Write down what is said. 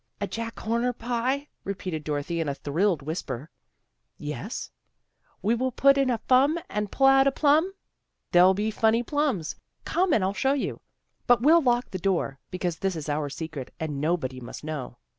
" A Jack Horner pie? " repeated Dorothy in a thrilled whisper. "Yes." " Will we put in a fum and pull out a plum? "'' They'll be funny plums. Come and I'll show you. But we'll lock the door, because this is our secret and nobody must know."